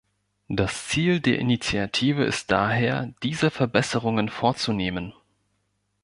Das Ziel der Initiative ist daher, diese Verbesserungen vorzunehmen.